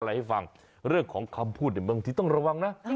ของอะไรให้ฟังเรื่องของคำพูดเนี่ยบางทีต้องระวังนะ